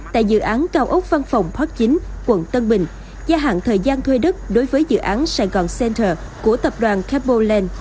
tại dự án cao ốc văn phòng park chính quận tân bình gia hạn thời gian thuê đất đối với dự án sài gòn center của tập đoàn capoland